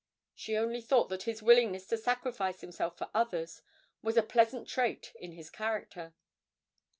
She only thought that his willingness to sacrifice himself for others was a pleasant trait in his character.